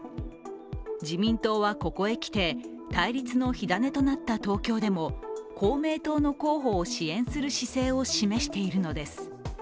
自民党はここへ来て、対立の火種となった東京でも公明党の候補を支援する姿勢を示しているのです。